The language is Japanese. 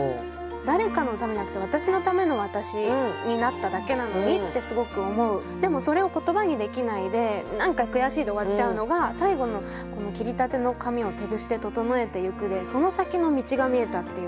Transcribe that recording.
誰かのためじゃなくて私のための私になっただけなのにってすごく思うでもそれを言葉にできないで「何か悔しい」で終わっちゃうのが最後の「切り立ての髪を手櫛で整えてゆく」でその先の道が見えたっていうか。